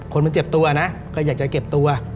คนมันเจ็บตัวนะก็อยากจะเก็บตัว